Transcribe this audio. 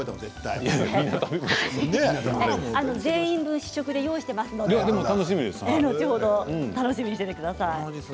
全員分試食で用意していますので後ほど楽しみにしていてください